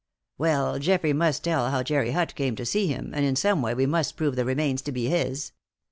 "Well, Geoffrey must tell how Jerry Hutt came to see him, and in some way we must prove the remains to be his.